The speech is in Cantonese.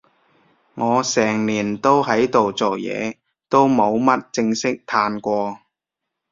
我成年都喺度做嘢，都冇乜正式嘆過